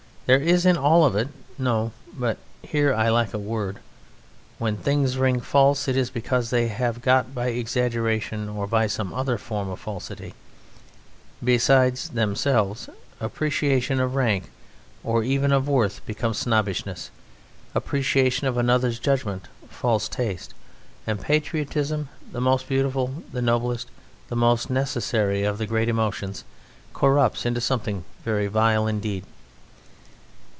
There is in all of it no but here I lack a word.... When things ring false it is because they have got by exaggeration or by some other form of falsity beside themselves. Appreciation of rank or even of worth becomes snobbishness; appreciation of another's judgment false taste; and patriotism, the most beautiful, the noblest, the most necessary of the great emotions, corrupts into something very vile indeed.